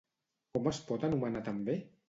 Com es pot anomenar també?